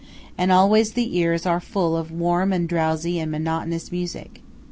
And always the ears are full of warm and drowsy and monotonous music.